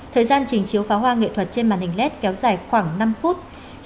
thời gian trình chiếu phá hoa nghệ thuật trên màn hình led kéo dài khoảng năm phút